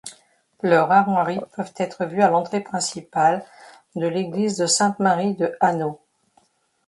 Leurs armoiries peuvent être vues à l'entrée principale de l'Église de sainte-Marie de Hanau.